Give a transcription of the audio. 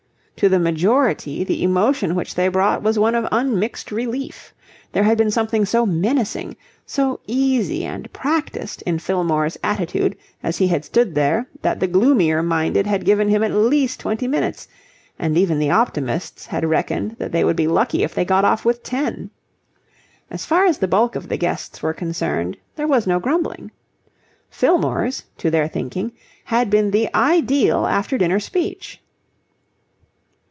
To the majority the emotion which they brought was one of unmixed relief. There had been something so menacing, so easy and practised, in Fillmore's attitude as he had stood there that the gloomier minded had given him at least twenty minutes, and even the optimists had reckoned that they would be lucky if they got off with ten. As far as the bulk of the guests were concerned, there was no grumbling. Fillmore's, to their thinking, had been the ideal after dinner speech.